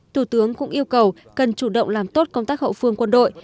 thủ tướng cũng yêu cầu cần chủ động làm tốt công tác hậu phương quân đội